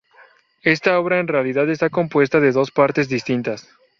Esta obra en realidad está compuesta de dos partes distintas.